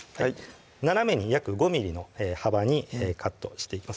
斜めに約５ｍｍの幅にカットしていきます